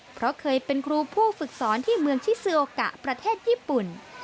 เพราะเคยเป็นครูผู้ฝึกสอนที่เมืองชิซิโอกะประเทศญี่ปุ่น